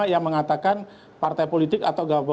yang mengatakan partai politik atau gabungan